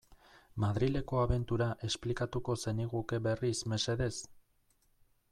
Madrileko abentura esplikatuko zeniguke berriz, mesedez?